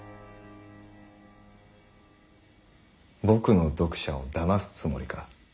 僕の読者をだますつもりか？